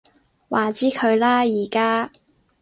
話之佢啦而家